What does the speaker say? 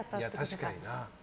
確かにな。